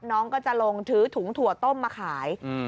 น้องก็จะลงถือถุงถั่วต้มมาขาย